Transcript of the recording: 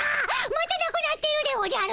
またなくなってるでおじゃる。